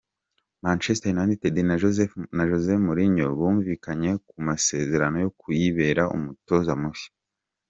Manchester United na Jose Mourinho bumvikanye ku masezerano yo kuyibera umutoza mushya.